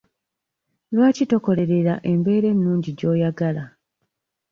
Lwaki tokolerera embeera ennungi gy'oyagala?